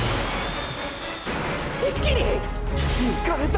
一気に抜かれた！！